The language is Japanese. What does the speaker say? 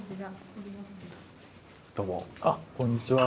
あっこんにちは。